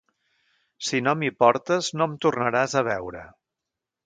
Si no m'hi portes no em tornaràs a veure.